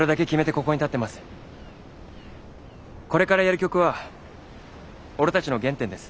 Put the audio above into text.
これからやる曲は俺たちの原点です。